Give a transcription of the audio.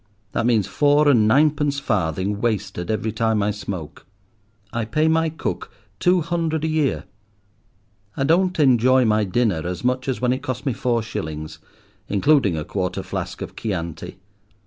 That means four and ninepence farthing wasted every time I smoke. I pay my cook two hundred a year. I don't enjoy my dinner as much as when it cost me four shillings, including a quarter flask of Chianti.